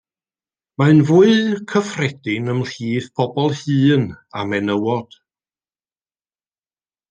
Mae'n fwy cyffredin ymhlith pobl hŷn a menywod.